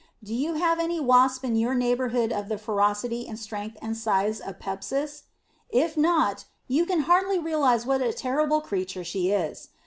Do you have any wasp in your neighborhood of the ferocity and strength and size of Pepsis? If not, you can hardly realize what a terrible creature she is.